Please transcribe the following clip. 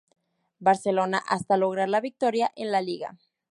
Barcelona hasta lograr la victoria en la liga.